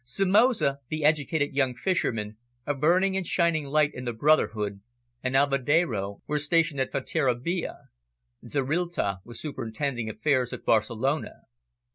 Somoza, the educated young fisherman, a burning and a shining light in the brotherhood, and Alvedero were stationed at Fonterrabia. Zorrilta was superintending affairs at Barcelona.